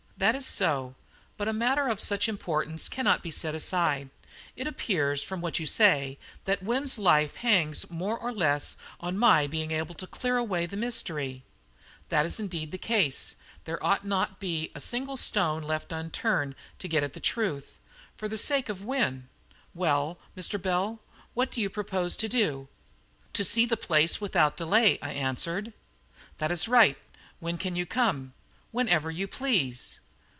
"That is so; but a matter of such importance cannot be set aside. It appears, from what you say, that Wynne's life hangs more or less on my being able to clear away the mystery?" "That is indeed the case. There ought not to be a single stone left unturned to get at the truth, for the sake of Wynne. Well, Mr. Bell, what do you propose to do?" "To see the place without delay," I answered. "That is right; when can you come?" "Whenever you please."